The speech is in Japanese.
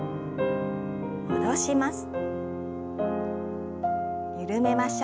戻します。